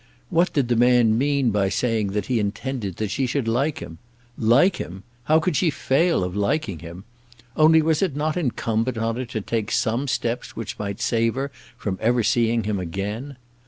What did the man mean by saying that he intended that she should like him? Like him! How could she fail of liking him? Only was it not incumbent on her to take some steps which might save her from ever seeing him again?